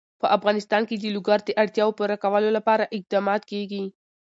په افغانستان کې د لوگر د اړتیاوو پوره کولو لپاره اقدامات کېږي.